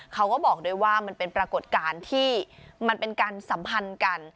เขาก็บอกด้วยว่ามันเป็นปรากฏการณ์ที่มันเป็นการสัมพันธ์กัน